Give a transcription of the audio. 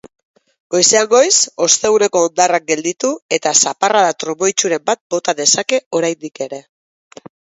Goizean goiz, osteguneko hondarrak gelditu etazaparrada trumoitsuren bat bota dezake oraindik ere.